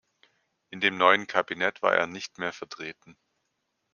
In dem neuen Kabinett war er nicht mehr vertreten.